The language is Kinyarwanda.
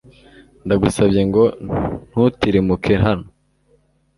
ndagusabye ngo ntutirimuke hano